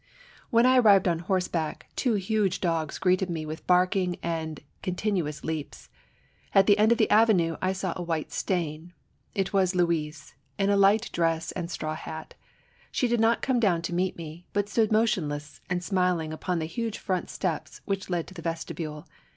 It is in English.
When I arrived on horseback, two huge dogs greeted me with barking and continous leaps. At the end of the avenue I saw a white stain. It was Louise, in a light dress and straw hat. She did not come down to meet me, but stood motionless and smiling upon the huge front steps which lead to the vestibule.